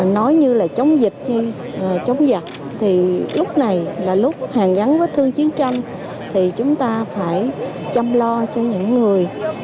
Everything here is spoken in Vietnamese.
nói như là chống dịch hay chống giật thì lúc này là lúc hàn gắn với thương chiến tranh thì chúng ta phải chăm lo cho những người